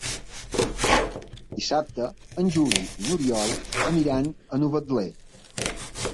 Dissabte en Juli i n'Oriol aniran a Novetlè.